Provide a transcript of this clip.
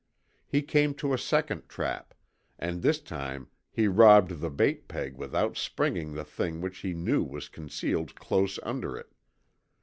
He came to a second trap, and this time he robbed the bait peg without springing the thing which he knew was concealed close under it.